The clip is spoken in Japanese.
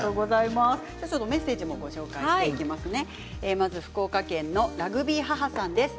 メッセージもご紹介しますね。